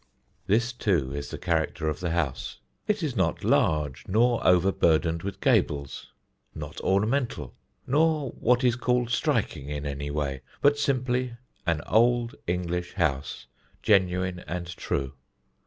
This, too, is the character of the house. It is not large, nor overburdened with gables, not ornamental, nor what is called striking, in any way, but simply an old English house, genuine and true.